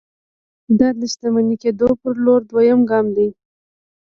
دا د شتمن کېدو پر لور دویم ګام دی